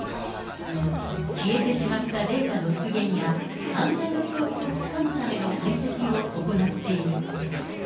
消えてしまったデータの復元や、犯罪の証拠をつかむための解析を行っている。